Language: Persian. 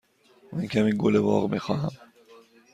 من کمی گل باغ می خواهم.